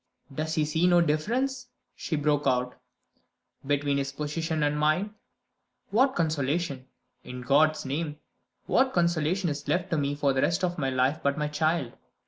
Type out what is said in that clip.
"Does he see no difference," she broke out, "between his position and mine? What consolation in God's name, what consolation is left to me for the rest of my life but my child?